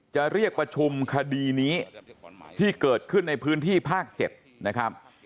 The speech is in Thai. จะเรียกประชุมคดีนี้ที่เกิดขึ้นในพื้นที่ภาค๗นะครับ